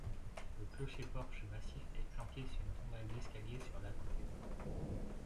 Le clocher-porche massif est flanqué s'une tourelle d'escalier sur la côté droit.